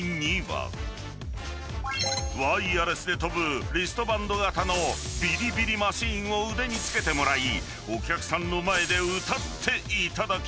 ［ワイヤレスで飛ぶリストバンド型のビリビリマシンを腕につけてもらいお客さんの前で歌っていただきます］